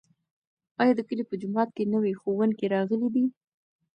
ایا د کلي په جومات کې نوی ښوونکی راغلی دی؟